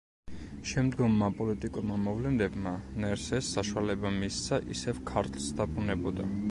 შემდგომმა პოლიტიკურმა მოვლენებმა ნერსეს საშუალება მისცა ისევ ქართლს დაბრუნებოდა.